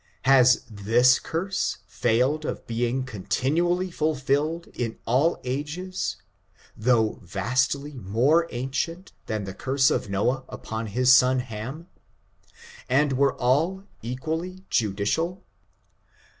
^ Has this curse failed of being continually fulfilled in all ages, though vastly more ancient than the curse of Noah upon his son Ham — and were all equally judicial?